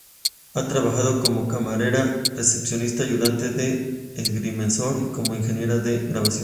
Ha trabajado como camarera, recepcionista, ayudante de agrimensor y como ingeniera de grabación.